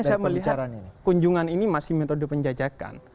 saya melihat kunjungan ini masih metode penjajakan